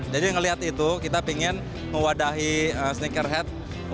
jadi ngelihat itu kita pingin mewadahi sneaker head